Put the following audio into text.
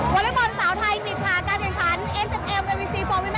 วันละก่อนสาวไทยปิดทางการเดินขัน